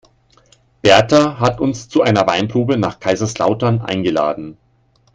Berta hat uns zu einer Weinprobe nach Kaiserslautern eingeladen.